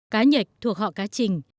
cá nhạch thuộc họ cá trình